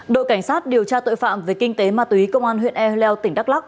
đội cảnh sát điều tra tội phạm về kinh tế ma túy công an huyện ehleu tỉnh đắk lắc